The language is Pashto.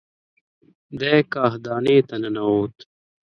دی کاهدانې ته ننوت.